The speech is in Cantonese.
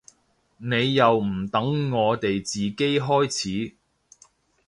你又唔等我哋自己開始